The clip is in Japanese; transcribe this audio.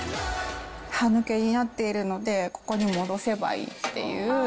歯抜けになっているので、ここに戻せばいいっていう。